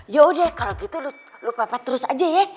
yaudah kalo gitu lu papa terus aja ya